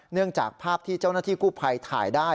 จากภาพที่เจ้าหน้าที่กู้ภัยถ่ายได้